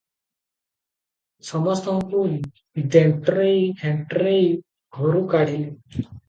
ସମସ୍ତଙ୍କୁ ଦେଣ୍ଟରେଇ ହେଣ୍ଟରେଇ ଘରୁ କାଢ଼ିଲି ।